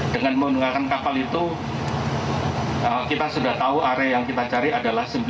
dengan menggunakan kapal itu kita sudah tahu area yang kita cari adalah sembilan puluh